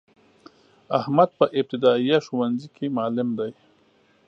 احمد په ابتدایه ښونځی کی معلم دی.